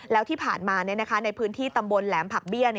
แล้วที่ผ่านมาในพื้นที่ตำบลแหลมผักเบี้ย